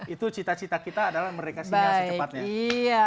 itu cita cita kita adalah mereka sinyal secepatnya